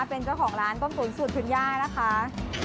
เป็นเจ้าของร้านต้มตุ๋นสูตรคุณย่านะคะ